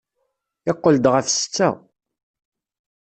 Iqqel-d ɣef setta.